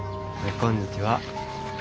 こんにちは。